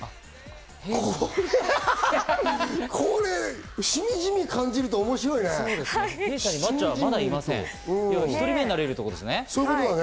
これ、しみじみ感じると面白いね。